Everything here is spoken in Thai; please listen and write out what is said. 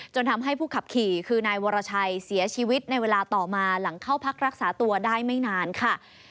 ทำให้ผู้ขับขี่คือนายวรชัยเสียชีวิตในเวลาต่อมาหลังเข้าพักรักษาตัวได้ไม่นานค่ะ